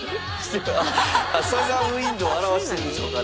『サザン・ウインド』を表してるんでしょうか？